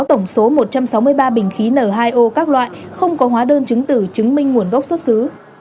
tổng số một trăm sáu mươi ba bình khí n hai o các loại không có hóa đơn chứng tử chứng minh nguồn gốc xuất xứ